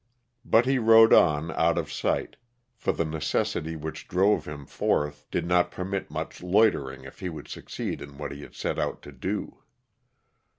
But he rode on, oat of sight, for the necessity which drove him forth did not permit much loitering if he would succeed in what he had set out to do.